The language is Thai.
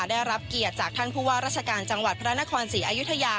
ได้รับเกียรติจากท่านผู้ว่าราชการจังหวัดพระนครศรีอายุทยา